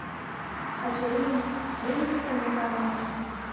Качырийын, мӧҥгысӧ сомылка гына.